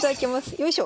よいしょ。